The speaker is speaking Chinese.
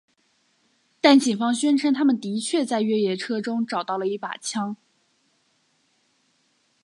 但警方宣称他们的确在越野车中找到了一把枪。